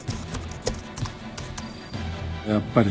やっぱり。